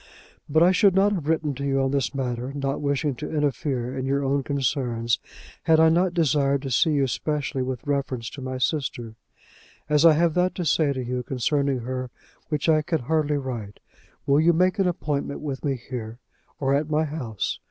But I should not have written to you on this matter, not wishing to interfere in your own concerns, had I not desired to see you specially with reference to my sister. As I have that to say to you concerning her which I can hardly write, will you make an appointment with me here, or at my house?